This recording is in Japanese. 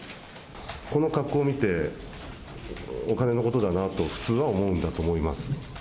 この格好を見て、お金のことだなと、普通は思うんだと思います。